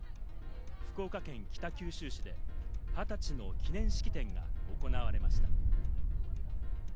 福岡県北九州市で二十歳の記念式典が行われました。